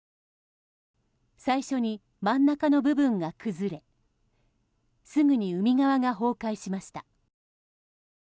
最初に真ん中の部分が崩れすぐに海側が崩壊しました。